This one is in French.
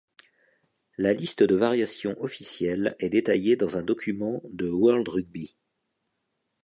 La liste de variations officielles est détaillée dans un document de World Rugby.